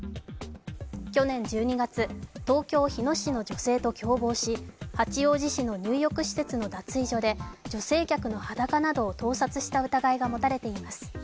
去年１２月、東京・日野市の女性と共謀し、八王子市の入浴施設の脱衣所で客の裸などを盗撮した疑いが持たれています。